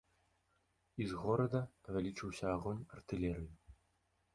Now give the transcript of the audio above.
І з горада павялічыўся агонь артылерыі.